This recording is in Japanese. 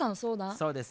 そうです。